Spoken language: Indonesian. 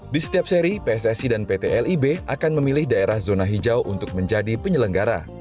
di setiap seri pssi dan pt lib akan memilih daerah zona hijau untuk menjadi penyelenggara